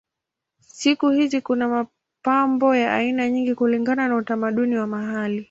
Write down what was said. Siku hizi kuna mapambo ya aina nyingi kulingana na utamaduni wa mahali.